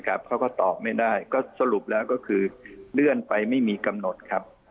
เขาก็ตอบไม่ได้ก็สรุปแล้วก็คือเลื่อนไปไม่มีกำหนดครับ